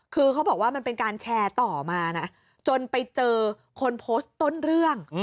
คือเขาบอกว่ามันเป็นการแชร์ต่อมานะจนไปเจอคนโพสต์ต้นเรื่อง